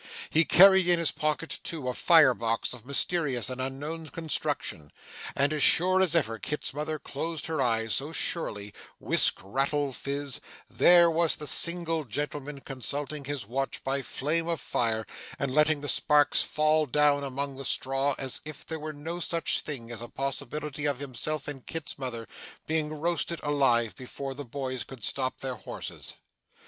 He carried in his pocket, too, a fire box of mysterious and unknown construction; and as sure as ever Kit's mother closed her eyes, so surely whisk, rattle, fizz there was the single gentleman consulting his watch by a flame of fire, and letting the sparks fall down among the straw as if there were no such thing as a possibility of himself and Kit's mother being roasted alive before the boys could stop their horses.